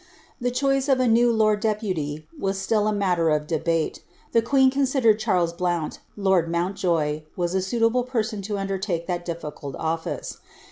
The choict of a new lord depuly was slill a mailer of debale ; the queer consiilf reJ Charles Blount, lord Mountjoye, was s suitable person to undertake ilm diHicuIl olhce.